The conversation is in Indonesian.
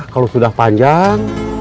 kalau sudah panjang